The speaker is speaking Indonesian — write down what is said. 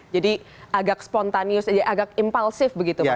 jadi agak spontanious agak impulsif begitu maksudnya